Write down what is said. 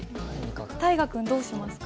大河君どうしますか？